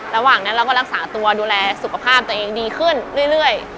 ระหว่างนั้นเราก็รักษาตัวดูแลสุขภาพตัวเองดีขึ้นเรื่อย